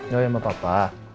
ya udah sama papa